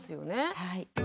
はい。